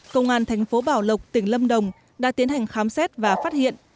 công an tp bảo lộc tỉnh lâm đồng đã tiến hành khám xét và phát hiện